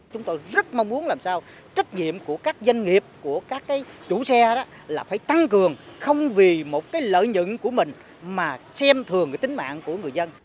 chúng tôi rất mong muốn làm sao trách nhiệm của các doanh nghiệp của các chủ xe đó là phải tăng cường không vì một cái lợi nhận của mình mà xem thường cái tính mạng của người dân